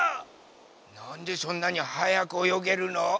なんでそんなにはやくおよげるの？